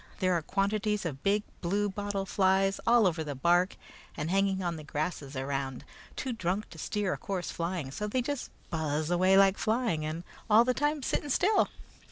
There are quantities of big blue bottle flies over the bark and hanging on the grasses around, too drunk to steer a course flying; so they just buzz away like flying, and all the time sitting still.